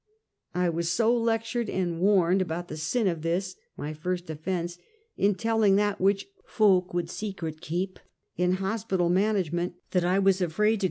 I was so lectured and warned about the sin of this, my first offense, in telling that which " folk wad secret keep" in hospital management, that I was afraid to 16 242 Half a Centuky.